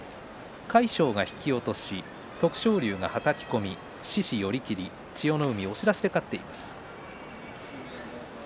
魁勝が引き落とし徳勝龍がはたき込み獅司、寄り切り千代の海押し出しで勝っています。